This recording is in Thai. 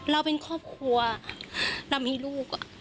เราเป็นครอบครัวเรามีลูก